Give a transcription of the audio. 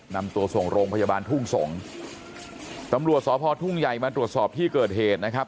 นำตัวส่งโรงพยาบาลทุ่งสงศ์ตำรวจสพทุ่งใหญ่มาตรวจสอบที่เกิดเหตุนะครับ